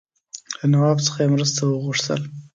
له نواب څخه یې مرسته وغوښتل.